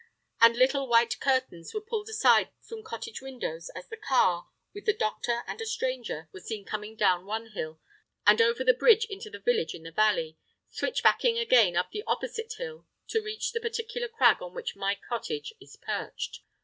And little white curtains were pulled aside from cottage windows as the car, with the doctor and a stranger, was seen coming down one hill and over the bridge into the village in the valley, switchbacking again up the opposite hill to reach the particular crag on which my cottage is perched.